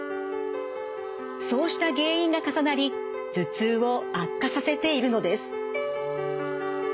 そうした原因が重なり頭痛を悪化させているのです。